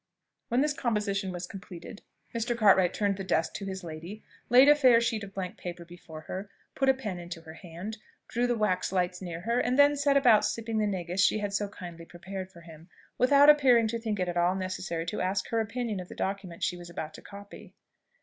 When this composition was completed, Mr. Cartwright turned the desk to his lady, laid a fair sheet of blank paper before her, put a pen into her hand, drew the wax lights near her, and then set about sipping the negus she had so kindly prepared for him, without appearing to think it at all necessary to ask her opinion of the document she was about to copy.